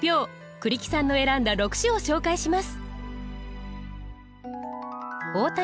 栗木さんの選んだ６首を紹介します。